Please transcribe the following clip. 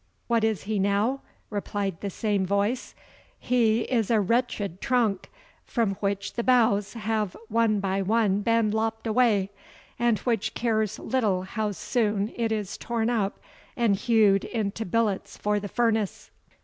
"What is he now?" replied the same voice; "he is a wretched trunk, from which the boughs have one by one been lopped away, and which cares little how soon it is torn up and hewed into billets for the furnace."